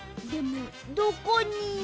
でもどこに。